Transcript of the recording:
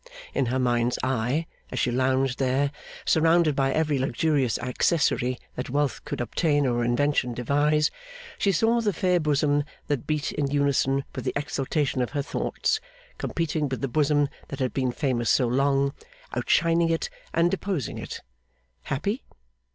In her mind's eye, as she lounged there, surrounded by every luxurious accessory that wealth could obtain or invention devise, she saw the fair bosom that beat in unison with the exultation of her thoughts, competing with the bosom that had been famous so long, outshining it, and deposing it. Happy?